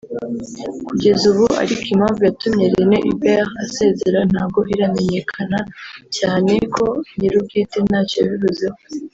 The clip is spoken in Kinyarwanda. Kugeza ubu ariko impamvu yatumye Rene Hubert asezera ntabwo iramyenyekana na cyane ko nyiri ubwite ntacyo yabivuzeho